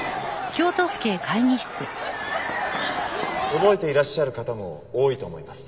覚えていらっしゃる方も多いと思います。